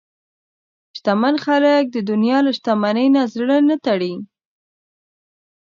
شتمن خلک د دنیا له شتمنۍ نه زړه نه تړي.